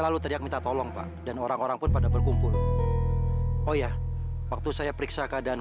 ya tadi dia pingsan waktu melihat ibunya tabrakan